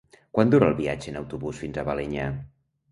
Quant dura el viatge en autobús fins a Balenyà?